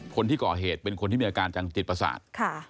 คนที่ก่อเหตุเป็นคนที่มีอาการทางจิตประสาท